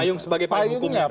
payung sebagai payung hukumnya